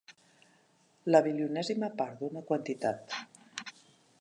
La bilionèsima part d'una quantitat.